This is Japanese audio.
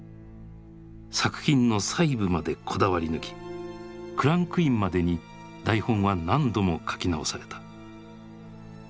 作品の細部までこだわり抜きクランクインまでに台本は何度も書き直された。